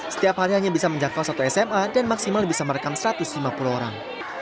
setiap hari hanya bisa menjangkau satu sma dan maksimal bisa merekam satu ratus lima puluh orang